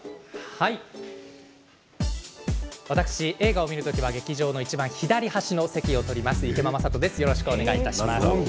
私、映画を見る時は劇場のいちばん左端の席を取ります、池間昌人です。